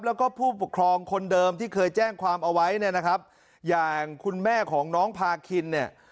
แล้วก็ผู้ปกครองคนเดิมที่เคยแจ้งความเอาไว้เนี่ยนะครับอย่างคุณแม่ของน้องพาคินเนี่ย